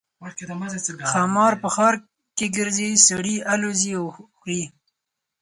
ښامار په ښار کې ګرځي سړي الوزوي او خوري.